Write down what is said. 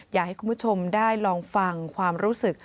อยากให้คุณผู้ชมได้ลองฟังความรู้สึก